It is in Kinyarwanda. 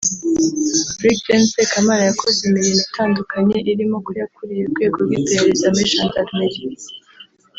Brig Gen Sekamana Yakoze imirimo itandukanye irimo ko yakuriye Urwego rw’Iperereza muri Gendarmerie